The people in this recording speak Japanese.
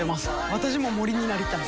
私も森になりたい。